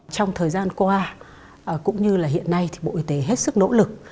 trong thời gian qua cũng như là hiện nay thì bộ y tế hết sức nỗ lực